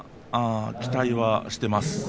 期待はしています。